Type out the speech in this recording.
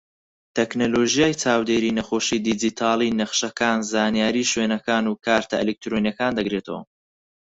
تەکنەلۆژیای چاودێری نەخۆشی دیجیتاڵی، نەخشەکان، زانیاری شوێنەکان و کارتە ئەلیکترۆنیەکان دەگرێتەوە.